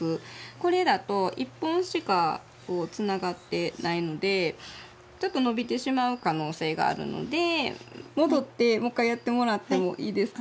これだと１本しかつながってないのでちょっと伸びてしまう可能性があるので戻ってもう一回やってもらってもいいですか？